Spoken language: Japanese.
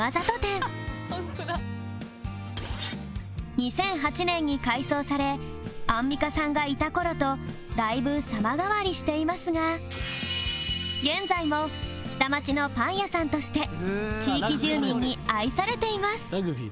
２００８年に改装されアンミカさんがいた頃とだいぶ様変わりしていますが現在も下町のパン屋さんとして地域住民に愛されています